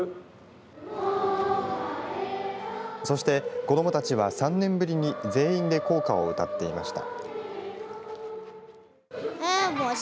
そして子どもたちは３年ぶりに全員で校歌を歌っていました。